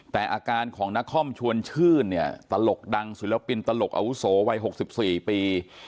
แต่อาการของนครชวนชื่นเนี่ยตลกดังศิลปินตลกอาวุโสวัย๖๔ปี